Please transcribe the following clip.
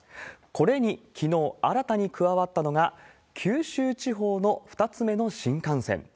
これに、きのう、新たに加わったのが九州地方の２つ目の新幹線。